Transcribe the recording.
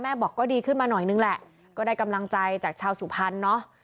บอกก็ดีขึ้นมาหน่อยนึงแหละก็ได้กำลังใจจากชาวสุพรรณเนอะ